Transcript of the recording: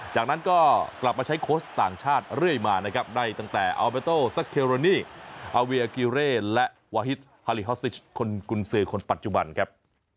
จากนั้นก็กลับมาใช้โค้ชต่างชาติเรื่อยมานะครับได้ตั้งแต่อัลเบโตซักเคโรนีอาเวียกิเร่และวาฮิตฮาลิฮอสซิชคนกุญสือคนปัจจุบันครับ